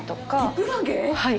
はい。